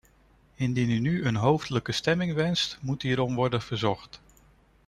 Indien u nu een hoofdelijke stemming wenst, moet hierom worden verzocht.